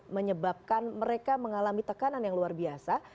menyebabkan mereka mengalami tekanan yang luar biasa